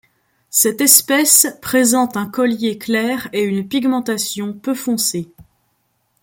Cette espèce présente un collier clair et une pigmentation peu foncée.